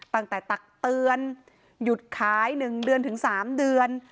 ตักเตือนหยุดขาย๑เดือนถึง๓เดือน